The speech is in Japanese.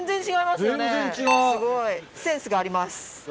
すごいセンスがあります。